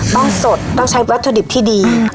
ต้องสดต้องใช้วัตถุดิบที่ดี